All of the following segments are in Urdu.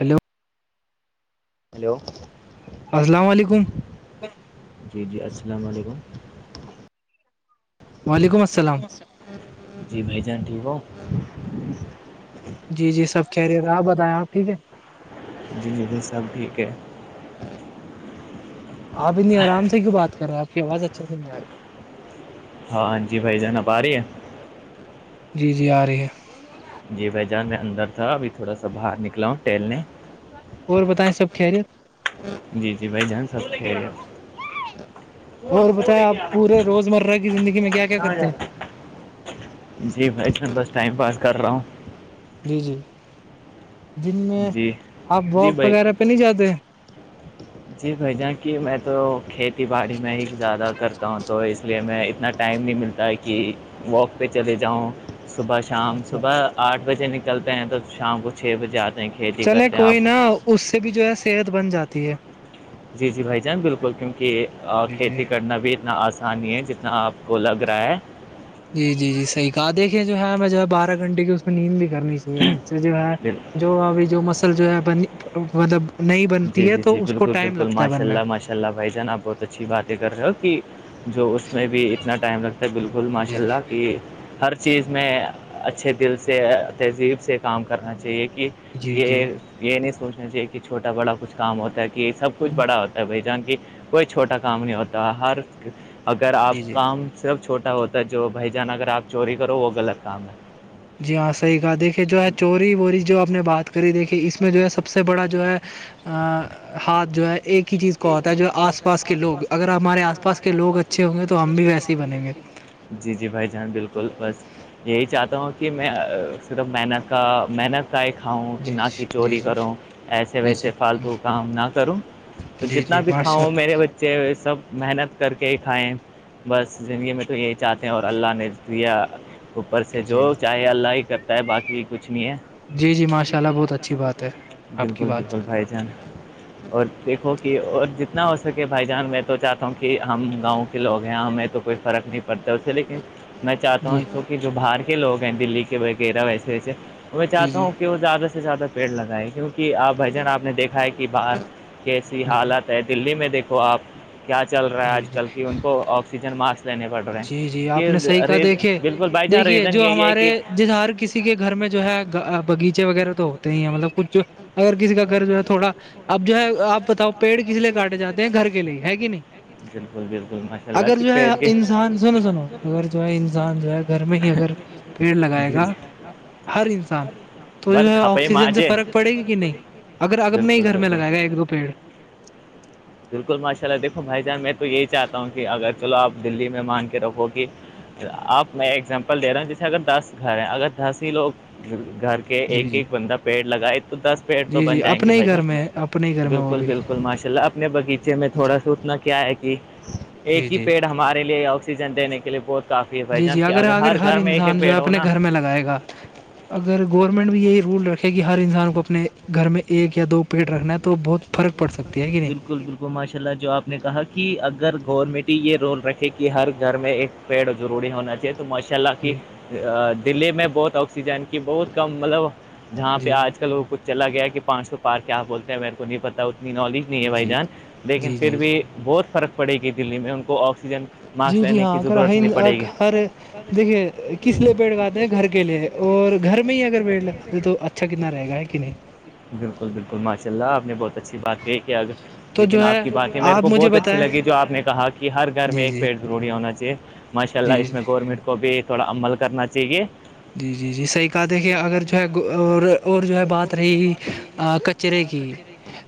ہیلو ہیلو السلام علیکم جی جی السلام علیکم وعلیکم وعلیک السلام اللام جی بھائی جان ٹھیک ہو جی- جی سب کہہ رہے تھے آپ بتائیں آپ ٹھیک ہے- جی- جی- جی سب ٹھیک ہے- آپ اتنی آرام سے کیوں بات کر رہے آپ کی آواز اچھی سے نہیں آ رہے- ہاں- ہاں جی بھائی, جان آب آ رہی ہے- جی جی آ رہی ہے جی بھائی جان میں اندر تھا ابھی تھوڑا سا باہر نکلا ہوں ٹہلنے اور بتائیں سب خیریت جی جی بھائی جان سب خیریت اور بتائیں آپ پورے روزمرہ کی زندگی میں کیا کیا کرتے ہیں جی بھائی بس ٹائم پاس کر رہا ہوں جی جی جن میں جی آپ جی واک بھائی وغیرہ پہ نہیں جاتے جی بھ جان کہ میں تو کھیتی باڑی میں ہی زیادہ کرتا ہوں تو اس لیے میں اتنا ٹائم نہیں ملتا تاکہ واک پہ چلے جاؤں صبح شام اچھا صبح آٹھ بجے نکلتے ہیں تو شام کو چھ بجے آتے ہیں کھیتی چلے کرتے ہیں آپ کوئی نا اس سے بھی جو ہے صحت بن جاتی ہے جی جی بھائی جان بالکل کیونکہ جی جی کھیتی کرنا بھی اتنا آسانی ہے جنا آپ کو لگ رہا ہے جی جی جی صحا دیکھیے جو ہے ہم میں جو ہے بارہ گھنٹے کی اس میں نیند بھی کرنی تھی اس سے جو ہے بال- جو ابھی جو مسل جو ہے بنی مطلب نہیں جی بنتی ہے جی جی تو اس کو بالکل ٹائم بالکل لگتا ہے ماشاء بننا اللہ ماشاء اللہ بھائی جان آپ بہت اچھی باتیں کر رہے ہو کہ جو اس میں بھی اتنا ٹائم لگتا ہے بالکل ماشاء جی اللہ کہ ہر چیز میں اچھے دل سے تہذیب سے کام کرنا چاہیے کہ جی جی یہ یہ نہیں سوچنا چاہیے کہ چھوٹا بڑا کچھ کام ہوتا ہے کہ یہ سب کچھ بڑا ہوتا ہے بھائی جان کی کوئی چھوٹا کام نہیں ہوتا ہر اگر آپ جی جی کام صرف چھوٹا ہوتا ہے جو بھائی جان اگر آپ چوری کرو وہ غلط کام ہے جی ہاں صحیح کہا دیکھیے جو ہے چوری ووری جو آپ نے بات کری دیکھیے اس میں جو ہے سب سے بڑا جو ہے ہاتھ جو ہے ایک کی چیز کو آتا ہے جو آس پاس کے لوگ اگر ہمارے آس پاس کے لوگ اچھے ہوں گے تو ہم بھی ویسے ہی بنیں گے جی جی بھائی جان بالکل بس یہی چاہتا ہوں کہ میں صرف من کا محنت کاائے کھاؤں کہ جی نہ کہ جی جی چوری جی کروں ایسے جی ویسے جی فالتو کام نہ کروں تو جی جتنا جی بھی ماشاء کھاؤ میرے بچے بچے سب محنت کر کے ہی کھائیں بس زندگی میں تو یہی چاہتے ہیں اور اللہ نے تویا اوپر سے جی جو جی چاہے اللہ ہی کرتا ہے باقی کچھ نہیں ہے جی جی ماشاء اللہ بہت اچھی بات ہے آپ کی بالکل بات بالکل بھائی جان اور دیکھو کہ اور جتنا ہو سکے بھائی جان میں تو چاہتا ہوں کہ ہم گاؤں کے لوگ ہیں ہمیں تو کوئی فرق نہیں پڑتا ہے اس سے لیکن میں چاہتا جی ہوں اس کہ جو باہر کے لوگ ہیں دلی کے وغیرہ ویسے میں جی چاہتا جی ہوں کہ وہ زیادہ سے زیادہ پیڑ لگائے کیوںکہ آپ بھائی جان آپ نے دیکھا ہے کہ باہر کیسی جی جی حالت ہے دلی میں دیکھو آپ کیا چل رہا ہے جی آج کل جی کی ان کو آکسیجن ماسک لینے پڑ رہے ہیں جی جی آپ کہ نے صحیح کہا ریز دیکھیے دیکھیے جو ہمارے جس ہر کسی کسی کے گھر میں جو ہے باغیچے وغیرہ تو ہوتے ہی ہیں مطلب کچھ جو اگر کسی کا گھر جو ہے تھوڑا اب جو ہے آپ بتاؤ پیڑ کس لیے کاٹے جاتے ہیں گھر کے لیے ہے گ نہیں نہیں بالکل بالکل ماشاء اللہ اگر کہ جو ہے انسان سنو سنو اگر جو ہے انسان جو ہے گھر میں ہی اگر پیڑ لگائے گا ہر انسان تو بس جو ہے کھپائی آکسیجن سے فرق پڑے گی نہیں اگر اگرب نہیں گھر میں لگائے گا ایک دو پیڑ بالکل ماشاء اللہ دیکھو بھائی جان میں تو یہی چاہتا ہوں کہ اگر چلو آپ دی میں مان کے رکھو کہ آپ میں ایگزامپل دے رہا ہوں جیسے اگر دس گھر ہیں اگر دس ہی لوگ گھر کے کے ایک جی جی ایک بندہ پیڑ لگائے تو دس پیڑ تو جی بن جی جائیں گے اپنے ہی بھائی گھر جان میں اپنے ہی گھر میں وہ بالکل بھی بالکل ماشاء اللہ اپنے بغیچے میں جی تھوڑا سا اتنا کیا ہے کہ جی ایک ہی جی پیڑ ہمارے لیے آکسیجن دینے کے لیے بہت کافی ہے بھائی جی جان جی کہ اگر آگر ہر گھر میں ایک انسان ایک جو ہے پیڑ ہو اپنے نا گھر میں لگائے گا اگر گورنمنٹ بھی یہی رول رکھے کہ ہر انسان کو اپنے گھر میں ایک یا دو پیٹ رکھنا ہے تو بہت فرق پڑ سکتی ہے کہ نہیں بالکل بالکل کو ماشاء اللہ جو آپ نے کہا کہ اگر گورنمنٹ ہی یہ رول رکھے کہ ہر گھر میں ایک پیڑ ضوری ہونا چاہیے تو ماشاء اللہ کی جی دللی میں بہت آکسیجن کی بہت کم مطلب جہاں پہ جی آج کل وہ کچ چلا گیا کہ پانچ سو پار کیا بولتے ہیں میرے کو نہیں پتا اتنی نالج ہے بھائی جی جی جی جان لیکن جی پھر جی جی بھی بہت فرق پڑے گی دلی میں ان کو آکسیجن کے ماسک لینے کی ضرورت نہیں پڑے گی اور دیکھیے ک پ آنے لیے گھر اور گھر بھی میں ہی اگر دے پیڑ لگاتے تو اچھا گھر کتنا رہے گا میں ہے کہ نہیں ہی بالکل بالکل ماشاء اللہ آپ نے بہت اچھی بات کہ تو لیکن جو ہے آپ کی باتیں میرے آپ کو مجھے بہت اچھی بتائیں لگی جو آپ نے کہا کہ ہر گھر میں جی ایک جی پیڑ ضروری ہونا چاہیے ماشاء اللہ جی اس جی میں گورنمنٹ کو بھی تھوڑا عمل کرنا چاہیے جی جی جی صحیح کہات ہے کہ اگر جو ہے اور جو ہے بات رہ کچرے کی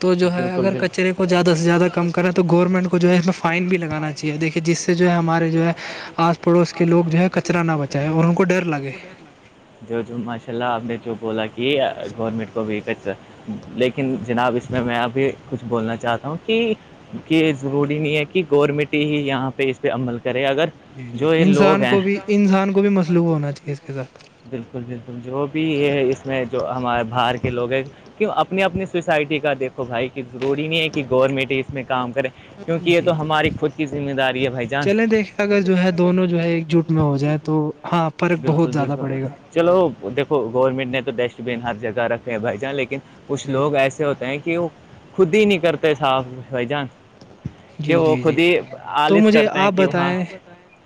تو جو ہے بالکل اگر بالکل کچرے کو زیادہ سے زیادہ کم کریں تو گورنمنٹ کو جو ہے اس میں فائن بھی لگانا چاہیے دیکھیے جس سے جو ہے ہمارے جو ہے آج پڑوس کے لوگ جو ہے کچرا نہ بچائے اور ان کو ڈر لگے جو جو ماشاء اللہ آپ نے جو بولا کہ گورنمنٹ کو بھی ک لیکن جناب اس میں میں ابھی کچھ بولنا چاہتا ہوں کہ کہ ضروری نہیں ہے کہ گورمنٹ ہی یہاں پہ اس پہ عمل کرے اگر جی جی جو یہ لوگ انسان ہیں کو بھی انسان کو بھی مصلوب ہونا چاہیے اس کے ساتھ بالکل بالکل جو بھی ہے اس میں جو ہمارے بہر لوگ ہیں کیوں اپنی اپنی سوسائٹی کا دیکھو بھائی کی ضروری نہیں ہے کہ گورنمنٹ اس میں کام کرے کیوںکہ یہ جی تو جی ہماری خود کی ذمہ داری ہے بھائی جان چلیں دیکھیں اگر جو ہے دونوں جو ہے ایک جٹ میں ہو جائے تو ہاں فرق بہت بالکل زیادہ پڑے گا بالکل چلو دیکھو گورنمنٹ نے تو ڈسٹ بن ہر جگہ رکھے ہیں بھائی جان لیکن کچھ جی لوگ ایسے ہوتے ہیں کہ وہ خود ہی نہیں کرتے صاف بھائی جان کہ جی وہ جی جی خود ہی تو آالس مجھے کرتے ہیں آپ کہ وہاں بتائیں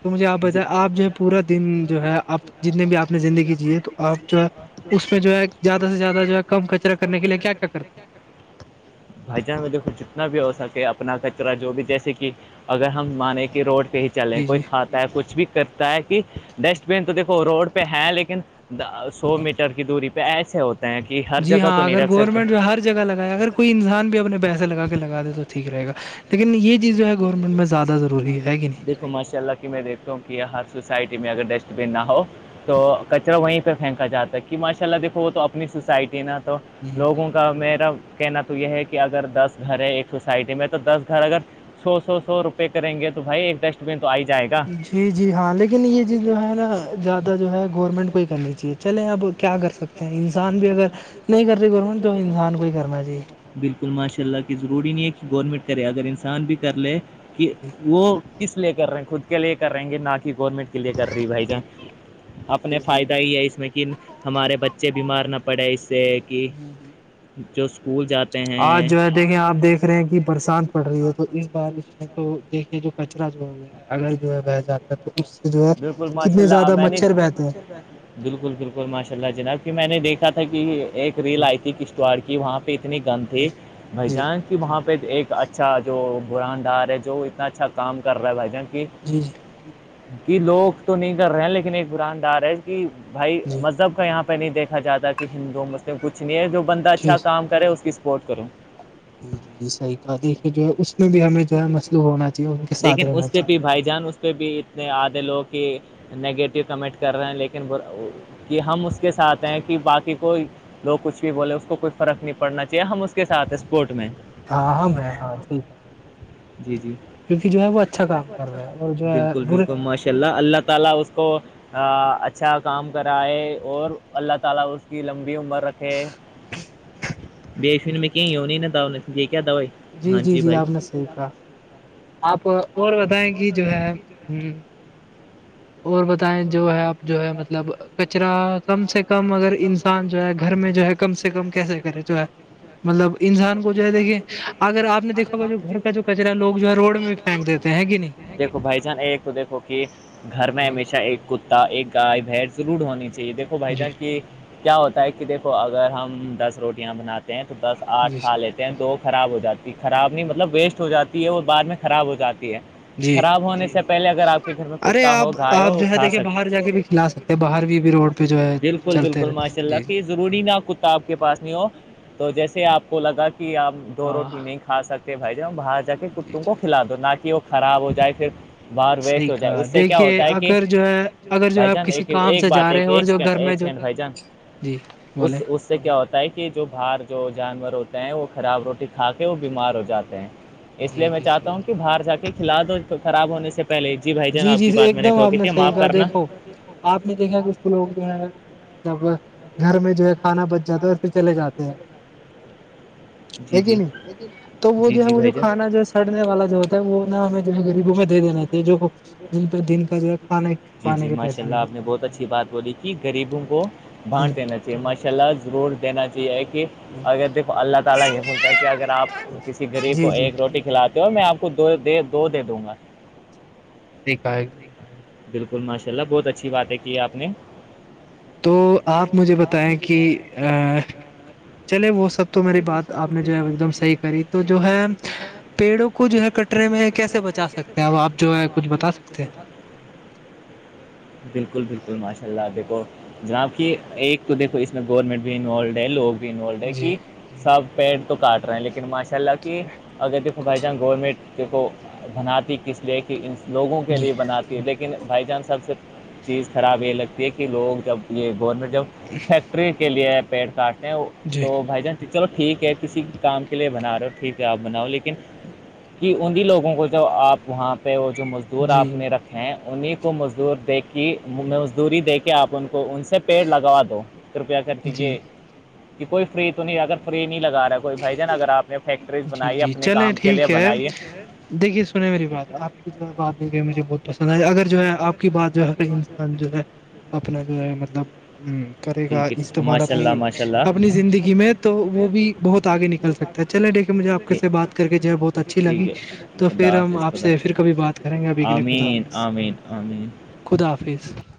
تو مجھے آپ جی بتیں آپ جو ہے پورا دن جو ہے آپ جتنے بھی آپ نے زندگی جیے تو آپ جو ہے اس میں جو ہے زیادہ سے زیادہ جو ہے کم کچرا کرنے کے لیے کیا کیا کرتے ہیں بھجن میں دیکھو جتنا بھی ہو سکے اپنا کچرا جو بھی جیسے کہ اگر ہم مانے کہ روڈ پہ ہی چلیں جی کوئی جی کھات کچھ بھی کرتا ہے کہ ڈسٹ بین تو دیکھو روڈ پہ ہے لیکن سو میٹر کی دوری پہ ایسے ہوتے ہیں کہ ہر جی جگہ ہاں تو نہیں اگر رکھ سکتے گورنمنٹ جو ہر جگہ لگایا اگر کوئی انسان بھی اپنے پیسے لگا کے لگا دے تو ٹھیک رہ گا لیکن یہ جو چیز ہے گورنمنٹ میں زیادہ ضروری ہے کہ نہیں دیکھو ماشاء اللہ میں دیکھتا ہوں کہ ہر سوسائٹی میں اگر ڈسٹ بین نہ ہو تو کچرا وہیں پہ پھینکا جاتا ہے کہ ماشاء اللہ دیکھو وہ تو اپنی سوسائٹی نا تو ہوں لوگوں کو کا میرا کہنا تو یہ ہے کہ اگر دس گھر ہے ایک سوسائٹی میں تو دس گھر اگر سو سو سو روپئے کریں گے تو بھائی ایک ڈسٹ بن تو آ ہی جائے گا جی جی ہاں لیکن یہ چیز جو ہے نا زیادہ جو ہے گورنمنٹ کو ہی کرنی چاہیے چلیں اب کیا کر سکتے ہیں انسان بھی اگر نہیں کرتے گورنمنٹ تو انسان کو ہی کرنا چاہیے بالکل ماشاء اللہ کی ضروری نہیں ہے کہ گورنمنٹ کرے اگر انسان بھی کر لے کہ وہ کس لیے کر رہے ہیں خود کے لیے کر رہیں گے نہ کہ گورنمنٹ لیے کر رہی بھائی جان اپنے جی جی فائدہ ہی ہے اس میں ہمارے بچے بیمار نہ پڑے اس سے کہ جو اسکول جاتا آج جو ہے دیکھیں آپ دیکھ رہے ہیں کہ برساتات پڑ رہی ہے تو اس بار اس میں تو دیکھیے جو کچرا جو ہے ہے اگر جو ہے بہ جاتا ہے تو اس سے جو ہے بالکل ماشاء کتنے اللہ زیادہ میں نے مچھر بہتے ہیں بالکل بالکل ماشاء اللہ جناب کی میں نے دیکھا تھا کہ ایک ریل جی آئی تھی کشتواڑ کی وہاں پہ اتنے گند تھے جی بھائیجان کے کہ وہاں پہ ایک اچھا جو براندار ہے جو اتنا اچھا کام کر رہا ہے بھائی جان کی جی جی کہ لوگ تو نہیں کر رہے ہیں لیکن ایک قراندار ہے کہ بھائی جی مذہب کا یہاں پہ پہ نہیں دیکھا جاتا کہ ہندو مسلم کچھ نہیں ہے جو بندہ اچھا جی کام کرے اس کی سپورٹ کروں جی جی جی صحیح کہا دیکھیے جو ہے اس میں بھی ہمیں جو ہے مسلوح ہونا چاہیے ان کے ساتھ لیکن رہنا اس پہ چاہیے بھی بھائی جان اس سے پہ بھی اتنے آدھے لوگ کہ نگیٹیو کمنٹ کر رہے ہیں لیکن کہ ہم اس کے ساتھ ہیں کہ باقی کوئی لوگ کچھ بھی بولے اس کوئی فرق نہیں پڑنا چاہیے ہم اس کے سھ اسپورٹ میں ہاں ہاں میں ہاں ٹھیک ہے جی جی کیونکہ جو ہے وہ اچھا کام کر رہا ہے اور جو ہے بالکل برے بالکل ماشاء اللہ اللہ تعالی کو اچھا کام کرائے اور اللہ تعالی اس کی لمبی عمر رکھے بیشو میں کہ ہو نہیں ن یہ کیا دوائی جی ہاں جی جی بھائی آپ نے صحیح کہا آپ اور بتائیں کہ جو ہے ہ اور بتائیں جو ہے آپ جو ہے مطلب کچرا کم سے کم اگر انسان جو ہے گھر میں جو ہے کم سے کم کیسے کرے تو ہے مطلب انسان کو جو ہے دیکھیے اگر آپ نے دیکھا جو گھر کا جو کچرا لوگ جو ہے روڈ میں بھی پھینک دیتے ہیں کہ نہیں بائی جان ہے تو دیکھو کہ گھر میں نہیں ہمیشہ ایک کتا ایک گائے بھیس ضرور ہونی چاہیے دیکھو بھائی جی جان کہ کیا ہوتا ہے کہ دیکھو اگر ہم دس روٹیاں بناتے پینتٹ دس جی آٹھالتے تو وہ خراب ہو جاتی ہے خراب نہیں مطلب ویسٹ ہو جاتی ہے اور بعد میں خراب ہو جاتی ہے جی خراب ہونے سے پہلے اگر آپ کے گھر میں ارے کتا ہو آپ گائے آپ ہو جو ہے کھا دیکھیے باہر جا کے بھی کھلا سکتے ہیں باہر بھی بھی روڈ پہ جو ہے بالکل چلتے بالکل رہتے ماشاء اللہ جی کہ ضروری نہ کتا آپ کے پاس نہیں ہو تو جیسے آپ کو لگا کہ آپ دو ہاں روٹی نہیں ک کھ سکتے ہیں بھائی ج ہم بات ج کے جی کتوں کو جی کھلا دو نہ کہ وہ خراب ہو جائے پھر باہر ویسٹ صحیح ہو جائے کہا اس سے کیا دیکھیے ہوتا ہے کہ اگر جو ہے اگر جو بھائی ہے آپ جان کسی ایک کام ایک سے بات جا رہے ایک ہیں اور ایک جو سیکنڈ گھر میں ایک جو سیکنڈ بھائی جان جی بولیں اس اس اس سے کیا ہوتا ہے کہ جو باہر جو جانور ہوتے ہیں وہ خراب روٹی کھا کے وہ بیمار ہو جاتے ہیں اس لیے جی میں جی چاہتا صحیح ہوں کہ باہر جا کے کلاد خراب ہونے سے پہلے جی بھائی جان آپ کی بات میں نٹھوکی سی گا دیکھو آپ نے دیکھا کچھ لوگ جو ہے مطلب گھر میں جو ہے کھانا پ زیادہور پ سے چلے جاتے ہیں ہیں جی ہے کہ جی نہیں تو وہ جی جو جی ہے وہ بھائی جو کھانا جو ہے جان سڑنے والا جو ہوتا ہے وہ نا ہمیں جو ہے غریبوں میں دے دینا چ یہ جو جن پہ دن کا جو ہے کھانے جی کھانے جی کے ماشاء پیسے اللہ نہیں آپ نے بہت اچھی بات بولی کہ غریبوں کو ہوتے۔ بانٹ پنے نا چاہیے ماشاء اللہ ضرور دینا چاہیے کہ اگر دیکو اللہ ت یہ ہوتا ہے کہ اگر آپ کسی غریب جی کو جی ایک روز کھلاتے ہو اور میں آپ کو دوے دو دے دوں گا [unintelligible] ٹھیک ہے ایک دم بالکل ماشاء اللہ بہت اچھی باتیں کی آپ نے تو آپ مجھے بتائیں کہ چلے وہ سب تو میری بات آپ نے جو ہے ایک دم صحیح کری تو جو ہے پیڑوں کو جو ہے کٹرے میں کیسے بچا سکتے اب آپ جو ہے کچھ بتا سکتے ہیں [unintelligible] بالکل بالکل ماشاء اللہ دیکھو جناب کہ ایک تو دیکھو اس میں گورنمنٹ بھی انوالڈ ہے لوگ انوالڈ ہے ہیں جی کہ سب پیڑ تو کاٹ رہے ہیں لیکن ماش چلہ کہ اگر دیکھو بھائی جان گورنمنٹ د کو بناتی کس لیے ان لوگوں کے جی لیے بناتے لیکن بائی چانس سب سے چیز خراب یہ لگتی ہے کہ لوگ جب یہ گورنمنٹ جب فیکٹری کے لیے پیڑ کاٹنے جی تو بھائی جان چلو ٹھیک ہے کسی کام کے لیے بنا رہے ہو ٹھیک ہے آپ بناؤ لیکن کہ انہیں لوگوں کو جو آپ وہاں پہ وہ جو مزدور جی آپ نے رکھے ہیں انہیں کو مزدور دے مزدوری دے کے آپ ان کو ان سے پیڑ لگوا دو کرپیا کر جی دیجیے کہ کوئی فری تو نہیں اگر فری نہیں لگا رہا کوئی بھائی جان اگر آپ نے فیکٹریز جی بنائی جی اپنے چلیں کام کے لیے ٹھیک ہے بنائیے دیکھیے سنیں میری بات آپ کی جو بات دیکھے مجھے بہت پسند ہے اگر جو ہے آپ کی بات جو ہےر انسان جو ہے اپنا جو ہے مطلب ہ کرے گا ٹھیک ہے ٹھیک ہے استعمال ماشاء اللہ اپنی ماشاء اللہ اپنی زندگی میں تو وہ بھی بہت آگے نکل سکتا ہے چلے دیکھے مجھے آپ کے ٹھیک سے بات کر کے جو ہے بہت اچھی ٹھیک لگی ہے تو خدا پھر ہم حافظ آپ خدا سے پھر کبھی بات کریں گے ابھی کے لیے خدا آمین حافظ آمین آمین خدا حافظ